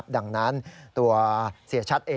ดังนั้นตัวเสียชัดเอง